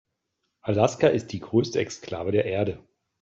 Alaska ist die größte Exklave der Erde.